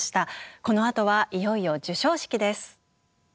このあとはいよいよ授賞式です。